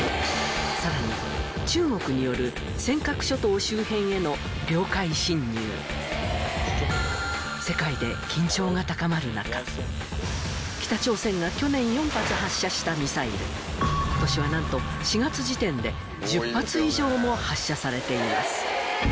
さらに中国による世界で緊張が高まる中北朝鮮が去年４発発射したミサイル今年はなんと４月時点で１０発以上も発射されています